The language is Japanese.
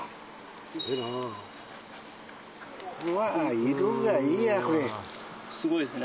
すげえなわあ色がいいやこれすごいですね